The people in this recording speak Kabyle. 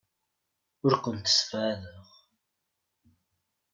Ur kent-ssebɛadeɣ.